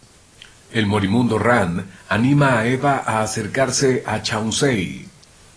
El moribundo Rand anima a Eva a acercarse a "Chauncey".